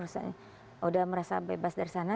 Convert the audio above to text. sudah merasa bebas dari sana